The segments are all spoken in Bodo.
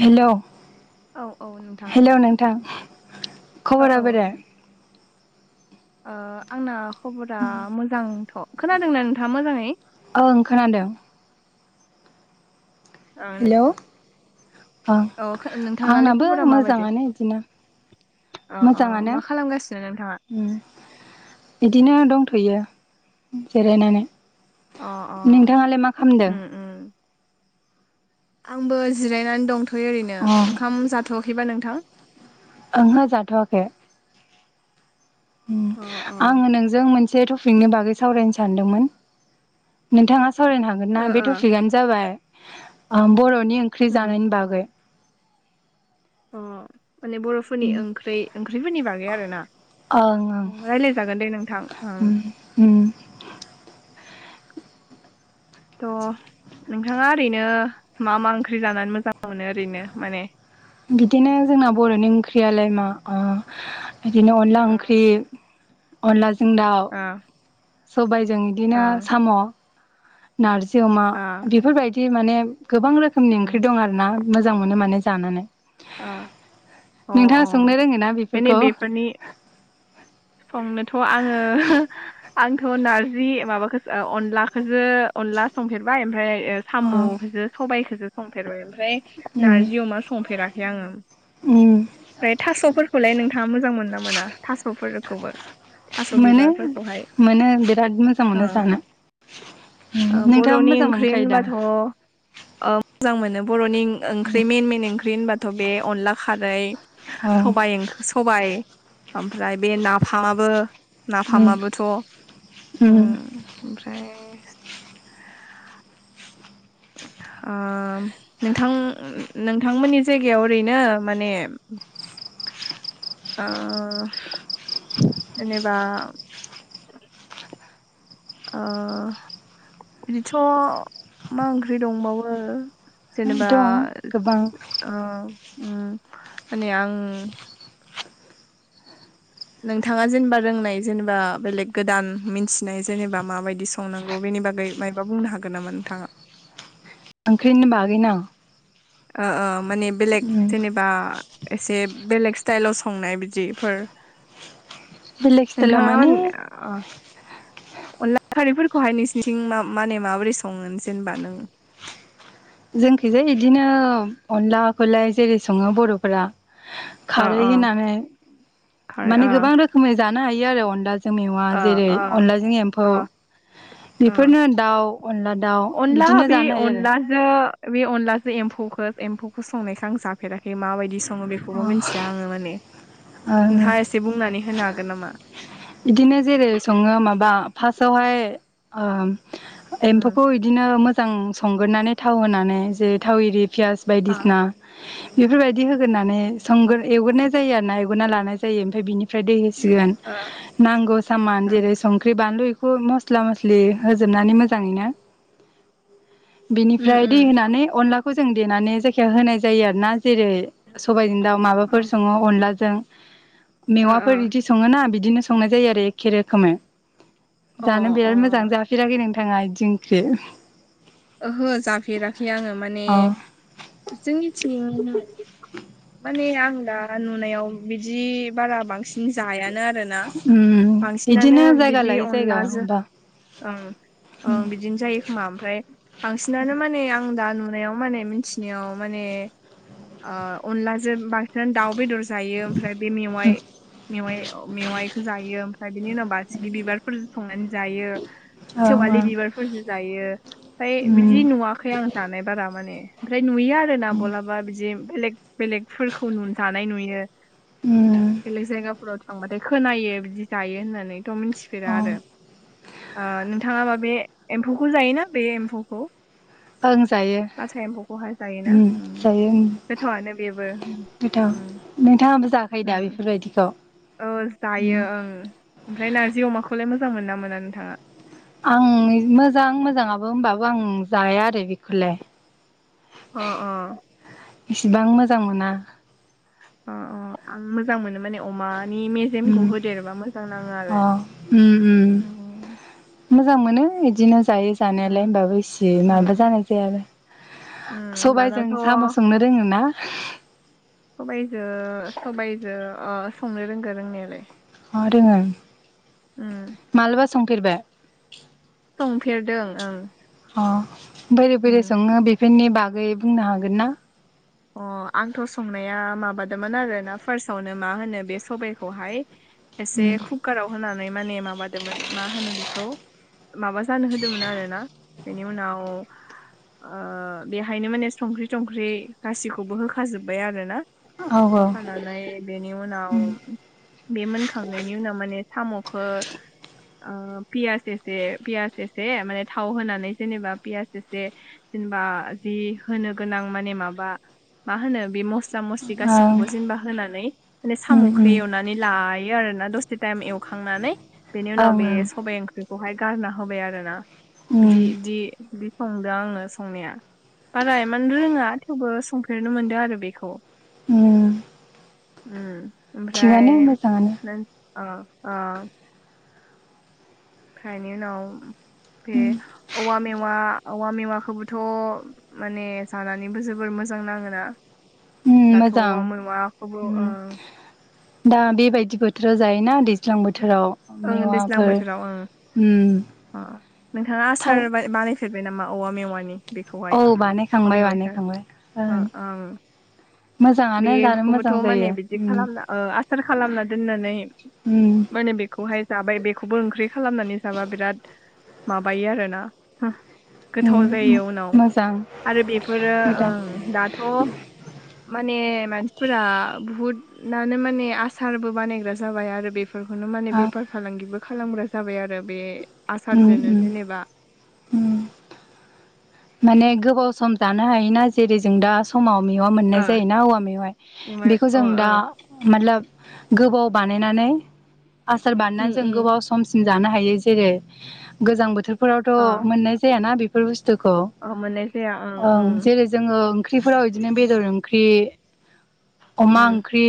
हेलौ औ औ नोंथां हेलौ नोंथां औ खबरा बोरे ओआंना खबरा मोजांथ' खोनादोंना नोंथाङ मोजाङै ओं खोनादों ओं दे हेलौ ओ औ नोंथांनालाय आंनाबो खबरा माबायदि? मोजाङानो बिदिनो अ अ मा खालामगासिनो नोंथाङा उम बिदिनो दंथ'यो जिरायनानै अ अ नोंथाङालाय मा खालामदों? उम उम आंबो जिरायनानै दंथ'यो ओरैनो अ ओंखाम जाथ'वाखैबा नोंथां ओंहो जाथ'वाखै उम अ अ आङो नोंजों मोनसे टपिकनि बागै सावरायनो सानदोंमोन नोंथाङा सावरायनो हागोन ओ ना बे ओ टपिकनो जाबाय आं बर'नि ओंख्रि उम जानायनि बागै अ माने बरफ फोरनि ओंख्रै ओंख्रिफोरनि बागै आरो ना। ओं ओं रायलायजागोन दे नोंथां ओं। ओम थ' नोंथाङा ओरैनो मा मा ओंख्रि जानानै मोजां मोनो ओरैनो माने? बिदिनो जोंना बर'नि ओंख्रियालाय मा ओ बिदिनो अनला ओ ओंख्रि अनलाजों दाउ, ओ सबायजों बिदिनो ओं साम' नारजि अमा ओ बेफोरबायदि माने गोबां रोखोमनि उम ओंख्रि दं आरो ना। मोजां मोनो माने जानानै। ओ अ नोंथाङा संनो रोङोन ना माने बेफोरखौ? बेफोरनि संनोथ' आङो आंथ' नारजि माबााख अनलाखौजो अनला संफेरबाय ओमफ्राय अ सामखोजोसो सबायाइखोजो संफेरबाय ओमफ्राय उम नारजि अमा संफेराखै आङो उम ओमफ्राय थास'फोरखौलाय नोंथाङा मोजां मोनो ना मोना। थास'फोरखौबो थास' मोनो बिबारफोरखौहाय मोनो बिराद मोजां ओ मोनो जानो ओ नोंथाङाबो बर'नि मोजां ओंख्रि मोनखायो दा होनबाथ' ओ मोजां मोनो बर'नि ओंख्रि मेन मइेन ओंख्रि होनबाथ' बे अनला खारै ओं सबायाइ ओंख सबाय ओमफ्राय बे नाफामाबो उम नाफामाबोथ' उम ओमफ्राय आ नोंथां नोंथांमोननि जायगायाव ओरैनो माने अ जेनेबा बिदिथ' मा ओंख्रि दंबावो जेनेबा दं गोबां ओ उम माने आं नोंथाङा जेनेबा रोंनाय जेनेबा बेलेग गोदान मिथिनाय जेनेबा माबायदि स संनांगौ बेनि बागै मायबा बुंनो हागोन नामा नोंथाङा? ओंख्रिनि बागै ना? ओ ओ माने बेलेग उम जेनेबा एसे बेलेग स्टाइलाव संनाय बिदिफोर बेलेग स्टाइलाव नोंथाङा [unintelligible] [unintelligible] अनला खारैफोरखौहाय नोंसनिथिं मा-माने माबोरै सङो जेनेबा नों जोंखैजाय इदिनो अनलाखौलाय जेरै सङो बर'फोरा अ खारै अ होननानै खारै अ माने गोबां रोखोमै जानो हायो आरो अनला जों मेवा अ जेरै अ अनलाजों एम्फौ अ अ बेफोरनो दाउ अनला दाउ बिदिनो जानो हायो आरो आरो बे अनलासो एम्फौखौ एम्फौखौ संनायखौ आं जाफेराखै माबायदि सं सङो बेखौबो मिथिया आङो माने ओ नोंथाङा एसे बुंनानै होनो हागोन नामा? इदिनो जेरै सङो माबा फार्स्टावहाय ओ उम एम्फौखौ दिनो मोजां संगोरनानै थाव होनानै जे थाव इरि पियास अ ओ बायदिसिना बेफोरबायदि होगोरनानै संगोर एवगोरनाय जायो आरो ना एवग्रोना लानाय जायो ओमफ्राय बिनि फ्राय दै होसिगोन नांगौ सामान ओ जेरै संख्रि बानलु बेखौ मस्ला मस्लि होजोबनानै मोजाङैनो उम बिनिफ्राय दै उम होनानै अनलाखौ जों देनानै जायखिया होनाय जायो आरो ना जेरै सबाइजों दाउ माबाफोर ओ सङो अनलाजों मेवाफोर इदि सङोना बिदिनो संनाय जायो आरो एखे रोखोमै ओ जानो अ बिराद मोजां अ जां जाफेराखै नोंथाङा बिदि ओंख्रि? ओहो जाफेराखै आङो माने अ जोंनिथिं माने आं दा नुनायाव बिदि बारा बांसिन दि जायानो आरोना उम बिदिनो बांसिनानो जायगा बिदि लायै जायगा अनलाजों बा ओं ओं बिदिनो जायो खोमा ओमफ्राय बांसिनानो माने आं दा नुनायाव माने मिथिनायाव माने ओ अनलाजों बांसिनानो दाउ बेदर जायो ओमफ्राय बे मेवाइ। मेवाइ मेवाइखौ जायो ओमफ्राय बिनि उनावबा बासिगि बिबारफोर संनानै जायो औ सेवालि बिबारफोरजों जायो ओमफ्राय उम बिदि नुवाखै आं। जानाय बारा माने ओमफ्राय नुयो आरो ना बलाबा बिदि बेलेग बेलेगफोरखौ नु जानाय नुयो उम बेलेग जायगाफोराव थांबाथाय खोनायो बिदि जायो होननानैथ' मिथिफेरा अ आरो। ओ नोंथाङा माबे एम्फौखौ जायोना बे एम्फौखौ? ओं जायो। लाथा एम्फौखौहाय जायोना उम ओं जायो उम गोथावानो बेबो। उम गोथाव नोंथाङाबो जाखायो दा बेफोरबायदिखौ? खौ जायो उम ओं ओमफ्राय नारजि अमाखौलाय मोजां मोना मोना नोंथाङा? आं मोजां मोजाङाबो होनोमबाबो आं जाया आरो बेखौलाय। अह अह इसिबां मोजां मोना। अह अह आं मोजां मोनो माने अमानि मेजेमखौ होदेरोबा मोजां नाङो आरो। ओम उम ओम मोजां मोनो इदिनो जायो जानायालाय उम होनबाबो इसे माबा उम जानाय जाया आरो उम सबायाइजों दानाथ' साम' संनो रोङो ना? सबाइजों सबायजों अह संनो रोंगो रोंनायालाय। अह रोङो। उम मालाबा संफेरबाय? संफेरदों ओं। अ' बोरै बोरै उम सङो बेफोरनि बागै बुंनो हागोन ना? अ' आंथ' संनाया माबादोंमोन आरो ना फारसावनो मा होनो बे सबायखौहाय एसे कुकाराव होनानै माने माबादोंमोन मा होनो बेखौ माबा जानो होदोंमोन आरो ना। बेनि उनाव ओ बेहायनो माने संख्रि थंख्रि गासिखौबो होखाजोबबाय आरो ना। औ होफा ओं नानै बेनि उनाव बे मोनखांनायनि उनाव माने साम'खो ओ फियास एसे फियास एसे माने थाव होनानै जेनेबा फियास एसे जेनबा जि होनो गोनां माने माबा मा होनो बे मस सा मस्लि ओं गासिखौबो जेनेबा होनानै माने ओं साम'खो एवनानै लायो आरोना। दसे टायम एवखांनानै बेनि उनाव ओं बे ओं सबाय ओंख्रिखौहाय गारना होबाय आरो ना। उम बिदि बिदि बि संदों आङो संनाया बारा एमान रोङा थेवबो संफेरनो मोनदो आरो बेखौ। उम उम ओमफ्राय थिगानो मोजाङानो नों ओ ओ खायनि उनाव बे उम औवा मेवा औवा मेवाखौबोथ' माने जानानैबो जोबोर मोजां नाङोना। उम दाथ' मोजां औवा मेवाखौबो ओ उम दा बेबायदि बोथोराव जायोना दैज्लां बोथोराव ओं दैज्लां मेवाफोर बोथोराव ओं उम अ' नोंथाङा था आसार बाय बानाय फेरबाय नामा औवा मेवानि बेखौहाय औ औवा बानायखांबाय मेवाइखो बानायखांबाय ओ ओं मोजाङानो जानो बेफोखौबोथ' मोजां माने जायो बिदि उम खालामना ओ आसार खालामना दोननानै उम माने बे खौहाय जाबाय बेखौबो ओंख्रि खालामनानै जाबा बिराद माबायो आरोना। हो गोथाव उम जायो उनाव मोजां आरो बेफोरो ओ मोजां दाथ' माने मानसिफोरा बुहुद नानो माने आसारबो बानायग्रा जाबाय। आरो बेफ फोरखौनो माने आ बेफार फालांगिबो खालामग्रा जाबाय आरो बे उम आसारजोंनो उम जेनेबा उम माने गोबाव सम जानो हायोना। जेरै जों दा समाव मेवा मोननाय ओ जायोना औवा मेवाय ओ बेखौ जों ओ दा माथलाब गोबाव बानायनानै आसार उम बानायनानै जों उम गोबाव समसिम जानो हायो। जेरै गोजां बोथोरफोरावथ' मोननाय जायाना बेफोर बुस्थुखौ अ' मोननाय जाया ओं ओं जोङो ओंख्रिफोराव इदिनो बेदर ओंख्रि अमा उम ओंख्रि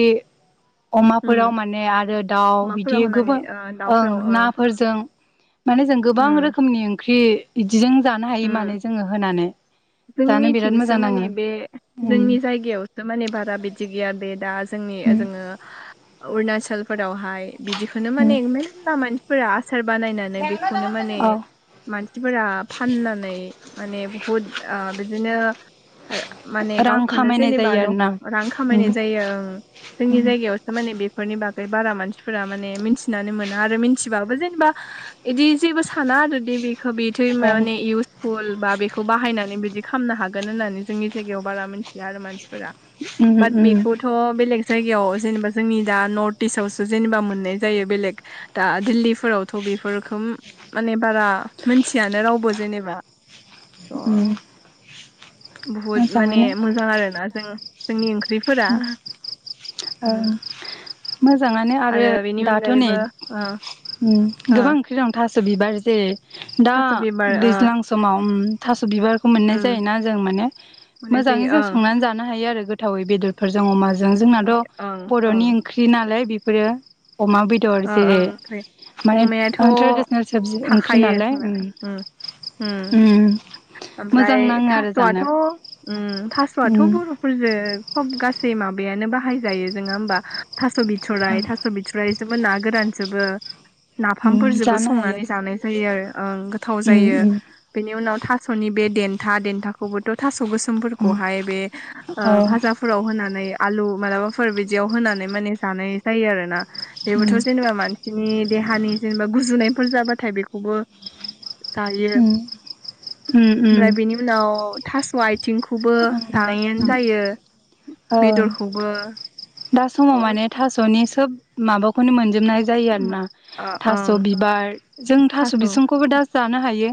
अमाफोराव उम माने आरो दाउ अमाफोराव बिदि होनानै गोबां ओ ओं दाउफोराव ओ नाफोरजों माने जों गोबां उम रोखोमनि ओंख्रि इदिजों जानो हायो उम माने जोङो होनानै। जानो बिराद जोंनिथिंसो मोजां नाङो माने बे उम जोंनि जायगायाव सो माने बारा बिदि गैया दे दा जोंनि उम जोङो अरुणाचलफोरावहाय बिदिख खोनो उम माने मेरला मानसिफोरा आसार बानायनानै बेखौनो माने औ मानसिफोरा फाननानै माने बुहुद ओ बिदिनो ओ माने रां गावखौनो खामायनाय जेनेबा जायो आरोना न'खर रां उम खामायनाय जाय यो ओं जोंनि जायगायावसो माने बेफोरनि बागै बारा मानसिफोरा माने मिथिनानै मोना। आरो मिथिबाबो जेनेबा इदि जेबो साना आरो दि बेखौ बेथै औ माने इउसफुल बा बेखौ बाहायना नि बिब्दि खालामनो हागोन होननानै जोंनि जायगायाव बारा मिथिया आरो मानसिफोरा उम बाद उम बेखौ थ' बेलेग जायगायाव जेनेबा जोंनि दा नर्थ इस्टआवसो जेनेबा मोननाय जायो बेलेग दा दिल्लीफोरावथ' बेफोरखौ माने बारा मोनथियानो रावबो जेनेबा‌। उम बुहुद माने मोजाङानो मोजां आरो ना जों-जोंनि ओंख्रिफोरा। उम ओं मोजाङानो आरो बेनि दाथ' नै अनगायैबो ओ उम ओ गोबां ओंख्रि दं। थास बिबारजो दा थास' बिबार ओ दैज्लां समाव थास' बिबारखौ मोननाय उम जायोना जों माने। मोननाय मोजाङै जायो जों ओं संनानै जानो हायो आरो गोथावै बेदरफोरजों अमाजों ओं जोंनाथ' ओं बर'नि ओंख्रि नालाय बेफोरो अमा बेद बेदर ओ जेरै ओं ओंख्रि माने अमायाथ' ओ ट्रेडिसनेल सबजि ओंख्रि थाखायो नालाय खोमा उम। उम मोजां आमफ्राय नाङो आरो थास'आथ' जानो उम थास'आथ' उम बर' फोरजो सब गासै माबायानो बाहाय जायो जों नङा होमबा थास' बिथ'राइ थास' बिथराइ जोबो ना गोरानजोबो उम नाफामफोरजोबो जानो हायो संनानै जानाय जायो आरो ओं गो थाव उम जायो उम बेनि उनाव थास'नि बे देन्था देन्थाखौबोथ' थास' गोस उम सोमफोरखौहाय बे औ फाजा फोराव होनानै आलु मालाबाफोर बिदियाव होनानै माने जानाय जायो आरो ना। बेबोथ' ओं जेनेबा मानसिनि देहानि जेनेबा गुजुनायफोर जाबाथाय बेखौबो जायो ओमफ्राय ओं बेनि उ उनाव थास' आइथिंखौबो जानायानो जायो। ओं बेदरखौबो। दा थ' समाव ओ माने थास'नि सोब माबाखौनो मोनजोबनाय जायो आरोना थास' ओं बिबार जों थास' बिसंखौबो दा जानो हायो।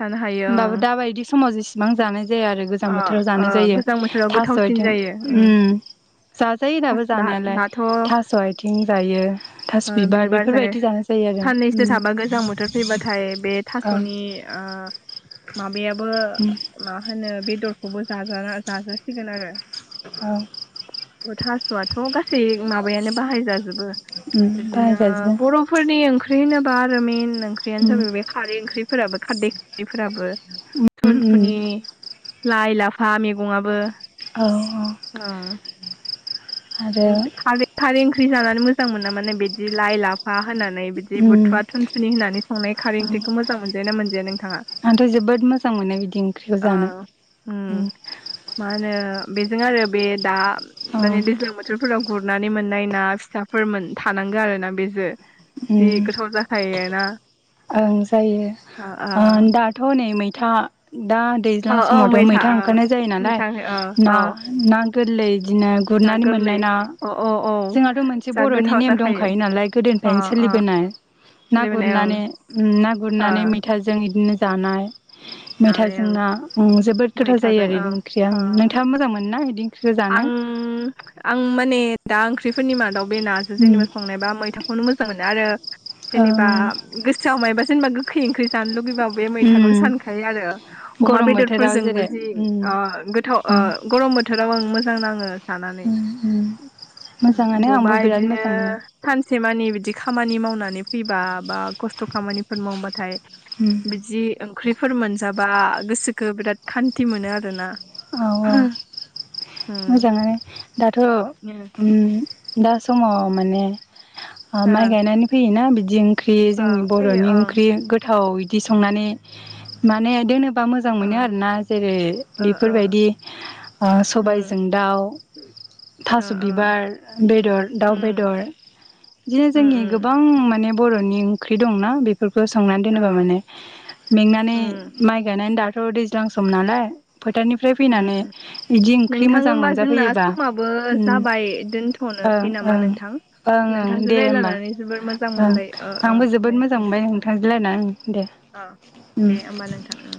जानो हायो ओं दाबायदि समाव जिसेबां जानाय जाया आरो। गोजां अ बोथोराव ओ जानाय जायो गोजां बोथोराव थास' गोथावसिन आइथिं जायो उम जाजायो दाबो दा जानायालाय दाथ' ओ थास' आइथिं जायो थास बिबार बेफोरबायदि जागा साननैसो साबा गोजां बोथोर फैबाथाय बे औ थास'नि माबायाबो उम मा होनो बेदरखौबो जाजा-जासिगोन आरो। [unintelligible] थास'याथ' गासै माबायानो बाहाय जाजोबो उम बिदिनो बाहायजाजोबो बर' फोरफोरनि ओंख्रि होनोबा आरो मेन ओंख्रियानो उम जाबाय बे खारै ओंख्रिफोराबो खारदै खारैफोराबो‌‌ उम थुन उम थुनि लाइ लाफा मेगङाबो। औ औ आरो खारै-खारै ओंख्रि जानानै मोजां मोना माने बिदि लाइ लाब [unintelligible] होनानै बिदि उम बुथुवा थुनथुनि होनानै संनाय खारै ओंख्रिखौ मोजां मोनजायोना मोनजाया नोंथाङा? आंथ जोबोद मोजां मोनो बिदि ओंख्रिखौ ओ जानो उम। मा होनो बेजों आरो बे दा औ दानि दैज्लां बो थोरफोराव गुरनानै मोननाय ना फिथाफोर मोन थानांगो आरोना बेजो। जि उम गोथाव जाखायोना ओ ओ थ' नै मैथा दा ओ दैज्लां औ समावथ' मैथा ओ ओंखारनाय जायो नालाय मैथा ओ ना औ ना गोरलै इदिनो ना गुरनानै गोरलै मोननाय ना अ औ औ जोंहाथ' मोनसे जा बर'नि गोथाव नेम जाखायो दंखायो नालाय गोदोनि अ फ्रायनो अ सोलिबोनाय ना सोलिबोनाय ओं गुरनानै ना ओ गुरनानै मै थाजों इदिनो जानाय। जाबाय मेथाजों ओं ना उम जोबोद गोथाव जायो मैथाजों आरो बिदि ओं ओंख्रिया नोंथाङा मोजां मोनोना बिदि ओंख्रिखौ जानो। उम आं माने दा ओंख्रिफोरनि मादाव बे नाजों उम जेनेबा संनायबा मैथा खौनो मोजां मोनो आरो जेनेबा ओं ओं गोसोआव मायबा जेनेबा गोखै ओंख्रि जानो लुुगैबा बे मैथाखौनो उम सान थायो आरो अमा गरम बोथोराव बेदरफोरजोंबो जेरै जि उम ओ गोथाव ओ उम गरम बोथोर बोथोराव आं मोजां नाङो जानानै उम उम मोजाङानो आंबो बबेबा बिराद बिदिनो मोजां मोनो सानसे मानि बिदि खामानि मावनानै फैबा बा खस्थ' खामानिफोर मावबाथाय उम बिदि फोर मोनजाबा गोसोखो बिराद खान्थि मोनो आरोना औ औ उम मोजाङानो दाथ' [inaudible] दा समाव माने ओ माइ गायनानै फैयोना बिदि ओंख्रि औ जोंनि फैयो बर'नि ओं ओंख्रि गोथाव इदि संनानै माने दोनो बा मोजां ओ मोनो आरोना जेरै ओ ओ बेफोरबायदि ओ उम सबाय दाउ ओ थास' बिबार बेदर दाउ उम बेदर बिदिनो जोंनि उम गोबां माने बर'नि ओंख्रि दंना बे बेफोरखौ संनानै ओ दोनोबा माने मेंनानै उम माइ गायनानै दाथ' दैज्लां सम नालाय फोथारनिफ्राय फैनानै उम बिदि ओंख्रि नोंथां मोजां होमबा जोंना मोनजाफैयोबा समाबो ओं जाबाय ओं दोनथ'नोसै नामा ओं नोंथां ओं ओं नोंथांजो दे होमबा रायज्लायनानै जोबोर मोजां ओं मोनबाय ओ ओ आंबो जोबोद दे मोजां मोनबाय नोंथां अह होम होमबा नोंथां